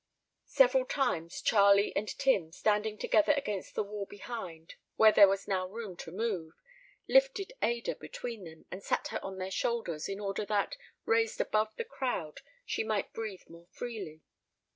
Several times Charlie and Tim, standing together against the wall behind, where there was now room to move, lifted Ada between them, and sat her on their shoulders in order that, raised above the crowd, she might breathe more freely.